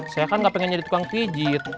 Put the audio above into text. saya kan gak pengen jadi tukang pijit